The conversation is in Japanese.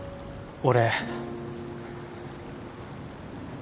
俺。